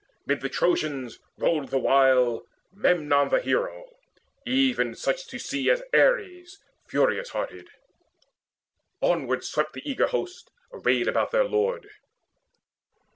Mid the Trojans rode the while Memnon the hero, even such to see As Ares furious hearted. Onward swept The eager host arrayed about their lord.